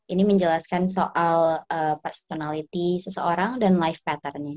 ini menjelaskan soal personality seseorang dan life pattern nya